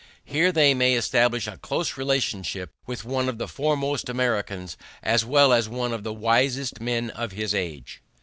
Here they may establish a close relationship with one of the foremost Americans as well as one of the wisest men of his age.